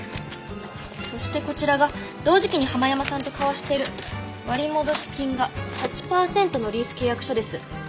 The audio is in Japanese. そしてこちらが同時期にハマヤマさんと交わしてる割戻金が８％のリース契約書です。